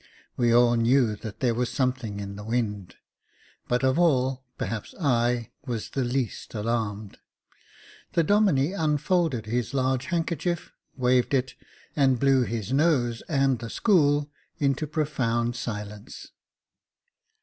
We all knew that there was something in the wind ; but of all, perhaps I was the least alarmed. The Domine unfolded his large handkerchief, waved it, and blew his nose and the school into profound silence.